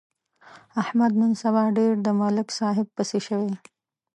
احمد نن سبا ډېر د ملک صاحب پسې شوی.